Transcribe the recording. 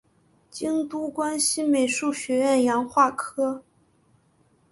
京都关西美术学院洋画科